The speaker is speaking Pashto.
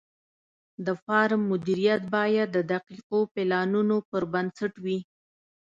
د فارم مدیریت باید د دقیقو پلانونو پر بنسټ وي.